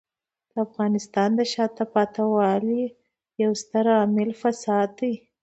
د افغانستان د شاته پاتې والي یو ستر عامل فساد دی.